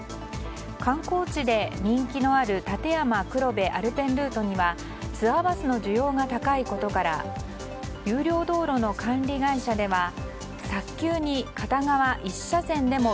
観光地で人気のある立山黒部アルペンルートにはツアーバスの需要が高いことから有料道路の管理会社では早急に片側１車線でも